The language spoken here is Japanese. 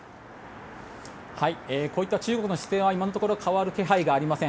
こういった中国の姿勢は今のところ変わる気配はありません。